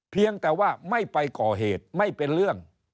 เพียงแต่ว่าไม่ไปก่อเหตุไม่เป็นเรื่อง